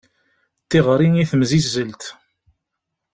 Tiɣri i temsizzelt.